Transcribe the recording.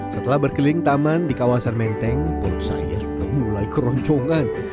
setelah berkeliling taman di kawasan menteng perut saya sudah mulai keroncongan